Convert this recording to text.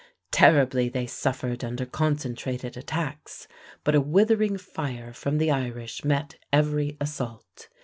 Terribly they suffered under concentrated attacks, but a withering fire from the Irish met every assault.